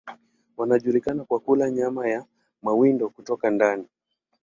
Wanajulikana kwa kula nyama ya mawindo kutoka ndani.